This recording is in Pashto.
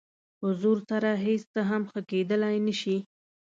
په زور سره هېڅ څه هم ښه کېدلی نه شي.